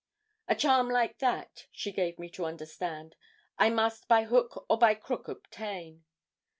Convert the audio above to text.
A charm like that, she gave me to understand, I must by hook or by crook obtain.